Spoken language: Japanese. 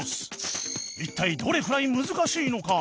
一体どれくらい難しいのか？